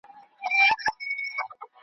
د پوهې ژورتیا ټولنې ته پرمختګ ورکوي.